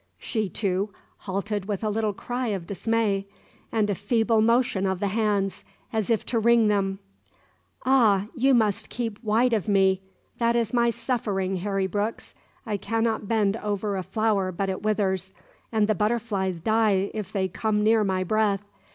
She, too, halted with a little cry of dismay, and a feeble motion of the hands, as if to wring them. "Ah, you must keep wide of me. ... That is my suffering, Harry Brooks. I cannot bend over a flower but it withers, and the butterflies die if they come near my breath